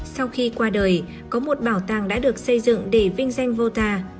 sau khi qua đời có một bảo tàng đã được xây dựng để vinh danh vota